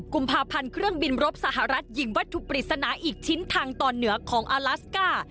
กุมภาพันธ์เครื่องบินรบสหรัฐหญิงวัตถุปริศนาอีกชิ้นทางตอนเหนือของอาลาสก้า